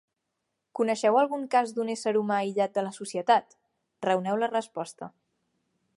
Coneixeu algun cas d'un ésser humà aïllat de la societat? Raoneu la resposta.